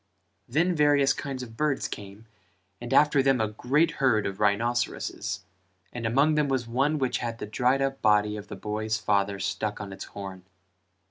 Then various kinds of birds came and after them a great herd of rhinceroses and among them was one which had the dried up body of the boy's father stuck on its horn.